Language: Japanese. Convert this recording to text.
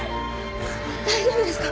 大丈夫ですか？